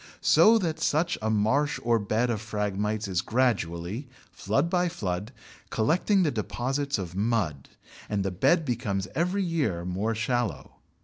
So that such a marsh or bed of Phragmites is gradually, flood by flood, collecting the deposits of mud, and the bed becomes every year more shallow.